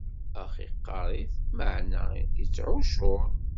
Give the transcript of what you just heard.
Ax, iqqaṛ-it, meɛna ittɛuccur.